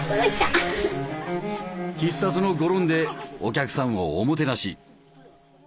必殺のゴロンでお客さんをおもてなし。